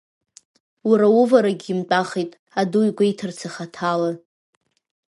Уара уварагь имтәахит, аду игәеиҭарцы хаҭала…